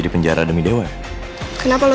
di penjara demi dewa kenapa lo